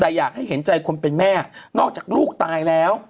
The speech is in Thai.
แต่อยากให้เห็นใจคนเป็นแม่นอกจากลูกตายแล้ว